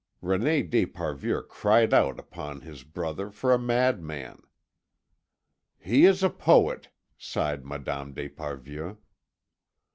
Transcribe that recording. René d'Esparvieu cried out upon his brother for a madman. "He is a poet," sighed Madame d'Esparvieu.